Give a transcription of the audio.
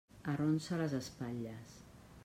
Arronsa les espatlles.